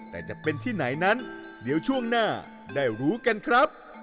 แต่จะเป็นที่ไหนนั้นเดี๋ยวช่วงหน้าได้รู้กันครับ